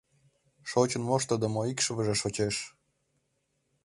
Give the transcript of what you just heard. Шочын моштыдымо икшывыже шочеш.